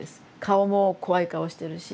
顔も怖い顔してるし。